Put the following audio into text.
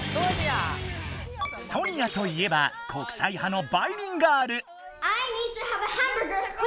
ソニアといえば国際派のバイリンガール。